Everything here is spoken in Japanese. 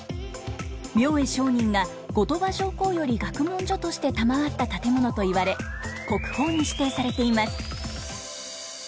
明恵上人が後鳥羽上皇より学問所として賜った建物といわれ国宝に指定されています。